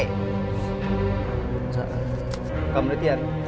dạ cầm lấy tiền